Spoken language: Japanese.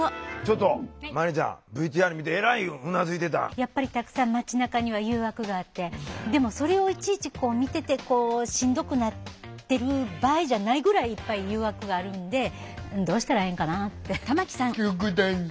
やっぱりたくさん街なかには誘惑があってでもそれをいちいち見ててしんどくなってる場合じゃないぐらいいっぱい誘惑があるんでどうしたらええんかなって。